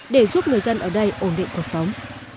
để giúp người dân ở đây ổn định cuộc sống